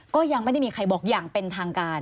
ก็ยังไม่ได้มีใครบอกอย่างเป็นทางการ